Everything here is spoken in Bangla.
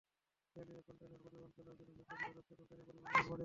রেলওয়ে কনটেইনার পরিবহনের লাভজনক ব্যবসা ধরে রাখতে কনটেইনার পরিবহনের হার বাড়িয়েছে।